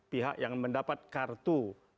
pihak yang mendapat kartu